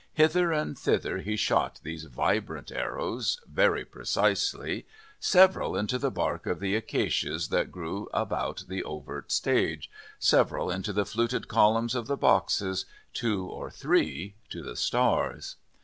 Hither and thither he shot these vibrant arrows, very precisely, several into the bark of the acacias that grew about the overt stage, several into the fluted columns of the boxes, two or three to the stars.